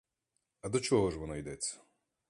А до чого ж воно йдеться?